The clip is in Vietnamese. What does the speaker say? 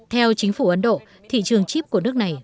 theo chính phủ ấn độ thị trường chip của nước này